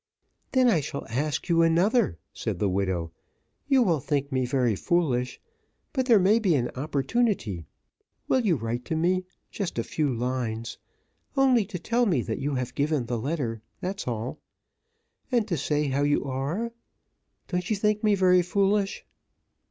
"Then I shall ask you another," said the widow. "You will think me very foolish, but there may be an opportunity will you write to me just a few lines only to tell me that you have given the letter, that's all and to say how you are don't you think me very foolish?"